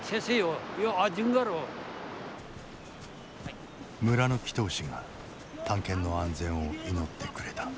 村の祈祷師が探検の安全を祈ってくれた。